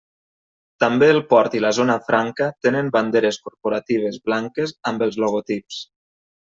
També el port i la zona franca tenen banderes corporatives blanques amb els logotips.